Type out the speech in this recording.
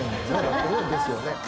そうですよね。